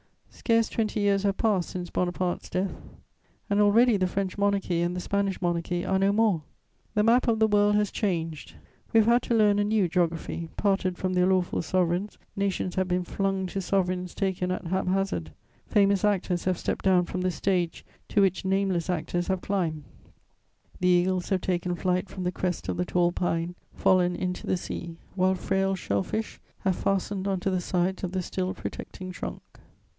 Scarce twenty years have passed since Bonaparte's death, and already the French Monarchy and the Spanish Monarchy are no more. The map of the world has changed; we have had to learn a new geography: parted from their lawful sovereigns, nations have been flung to sovereigns taken at haphazard; famous actors have stepped down from the stage to which nameless actors have climbed; the eagles have taken flight from the crest of the tall pine, fallen into the sea, while frail shell fish have fastened on to the sides of the still protecting trunk.